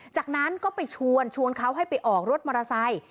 จากนั้นก็ไปชวนชวนเขาให้ไปออกรถมอเตอร์ไซค์